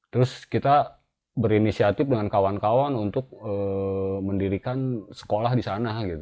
terus kita berinisiatif dengan kawan kawan untuk mendirikan sekolah di sana